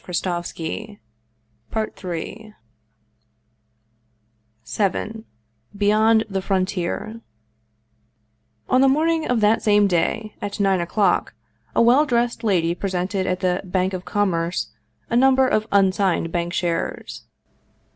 20 1 Russian Mystery Stories VII BEYOND THE FRONTIER ON the morning of that same day, at nine o'clock, a well dressed lady presented at the Bank of Commerce a number of unsigned bank shares.